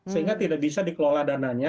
sehingga tidak bisa dikelola dananya